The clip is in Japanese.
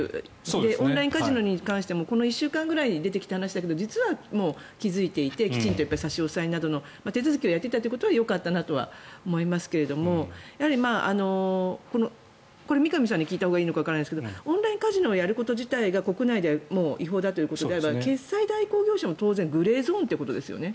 オンラインカジノに関してもこの１週間ぐらいに出てきた話だけど実は気付いていてきちんと差し押さえなどの手続きをやっていたことはよかったなと思いますがやはりこれ三上さんに聞いたほうがいいのかわからないですがオンラインカジノをやること自体が国内では違法だということであれば決済代行業者も当然グレーゾーンということですよね。